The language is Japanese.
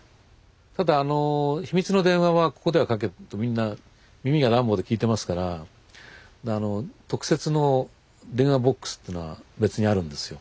ただ秘密の電話はここでかけるとみんな耳がダンボで聞いてますから特設の電話ボックスというのが別にあるんですよ。